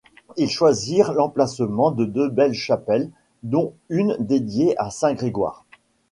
Ils choisirent l’emplacement de deux chapelles, dont une dédiée à saint Grégoire.